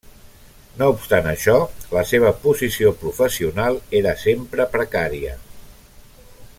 No obstant això, la seva posició professional era sempre precària.